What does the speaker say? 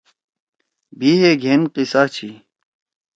بھی ہے گھین قصہ چھی۔